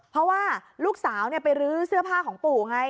เพราะว่าลูกสาวไปรื้อเสื้อผ้าของปู่ไง